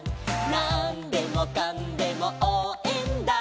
「なんでもかんでもおうえんだ！！」